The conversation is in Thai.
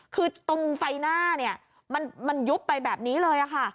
คือตรงไฟหน้าเนี่ยมันยุบไปแบบนี้เลยค่ะ